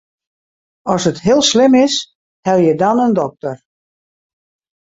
As it heel slim is, helje dan in dokter.